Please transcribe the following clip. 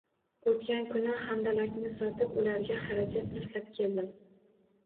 – O‘tgan kuni handalakni sotib, ularga xarajat tashlab keldim